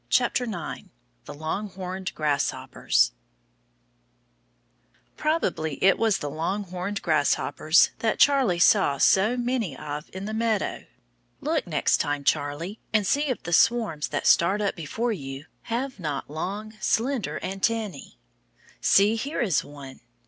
THE LONGHORNED GRASSHOPPERS Probably it was the longhorned grasshoppers that Charlie saw so many of in the meadow. Look, next time, Charlie, and see if the swarms that start up before you have not long, slender antennæ. See, here is one.